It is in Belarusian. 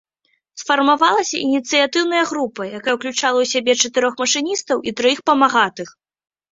Сфармавалася ініцыятыўная група, якая ўключала ў сябе чатырох машыністаў і траіх памагатых.